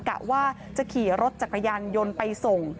กะว่าจะขี่รถจักรยานยนต์ไปส่ง